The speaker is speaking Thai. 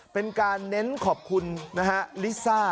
เป็นการเน้นขอบคุณนะฮะลิซ่า